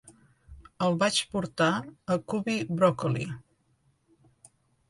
El vaig portar a Cubby Broccoli.